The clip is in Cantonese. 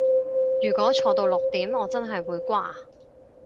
如果坐到六點我真係會瓜